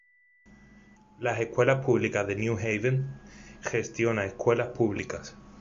Las Escuelas Públicas de New Haven gestiona escuelas públicas.